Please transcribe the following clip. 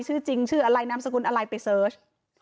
ชื่อจริงชื่ออะไรนามสกุลอะไรไปเสิร์ช